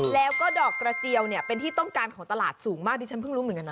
แล้วก็ดอกกระเจียวเนี่ยเป็นที่ต้องการของตลาดสูงมากดิฉันเพิ่งรู้เหมือนกันนะ